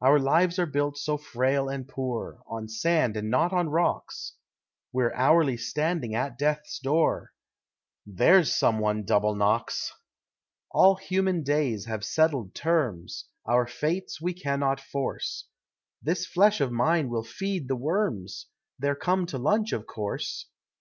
Our lives are built so frail and poor, On sand and not on rocks, We're hourly standing at Death's door There's some one double knocks. All human days have settled terms, Our fates we cannot force; This flesh of mine will feed the worms They're come to lunch of course!